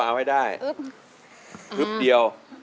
เอาให้ได้